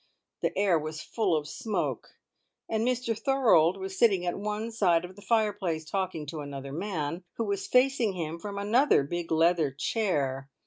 The air was full of smoke, and Mr Thorold was sitting at one side of the fireplace, talking to another man who was facing him from another big leather chair.